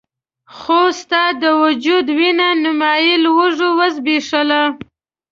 خو ستا د وجود وينه نيمایي لوږو وزبېښله.